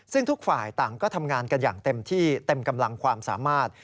ซึ่งทุกฝ่ายต่างก็ทำงานกันอย่างเต็มที่เต็มกำลังความสามารถ